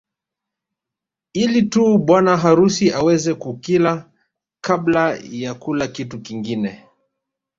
Ili tu bwana harusi aweze kukila kabla ya kula kitu kingine